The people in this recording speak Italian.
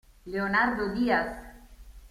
Leonardo Díaz